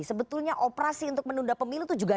sebetulnya operasi untuk menunda pemilu itu juga